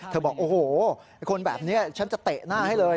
บอกโอ้โหไอ้คนแบบนี้ฉันจะเตะหน้าให้เลย